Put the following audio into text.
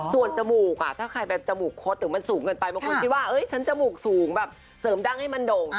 ส่วนจมูกถ้าใครเป็นจมูกคดหรือมันสูงเกินไปบางคนคิดว่าฉันจมูกสูงแบบเสริมดั้งให้มันด่ง